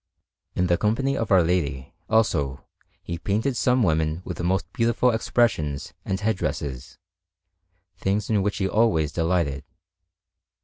In the company of Our Lady, also, he painted some women with most beautiful expressions and head dresses, things in which he always delighted.